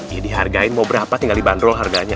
ya dihargain mau berapa tinggal dibanderol harganya